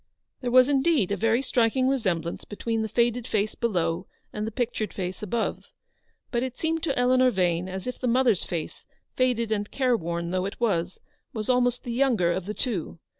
There was indeed a very striking resemblance between the faded face below and the pictured face above. But it seemed to Eleanor Vane as if 262 Eleanor's victory. the mother's face, faded and careworn though it was, was almost the younger of the two.